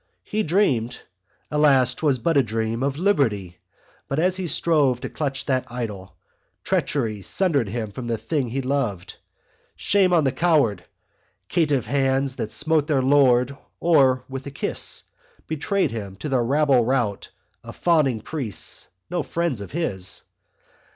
He dreamed (alas, 'twas but a dream!) Of Liberty: but as he strove To clutch that idol, treachery Sundered him from the thing he loved. Shame on the coward, caitiff hands That smote their Lord or with a kiss Betrayed him to the rabble rout Of fawning priests—no friends of his.